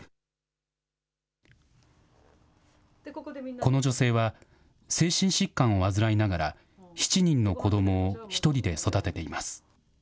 この女性は、精神疾患を患いながら、７人の子どもを１人で育てています。